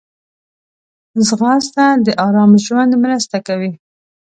ځغاسته د آرام ژوند مرسته کوي